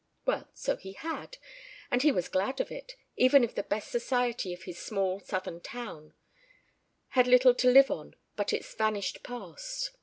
Well, so he had, and he was glad of it, even if the best society of his small southern town had little to live on but its vanished past.